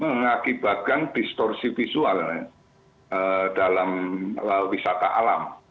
mengakibatkan distorsi visual dalam wisata alam